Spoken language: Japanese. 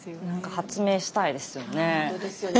何か発明したいですよね。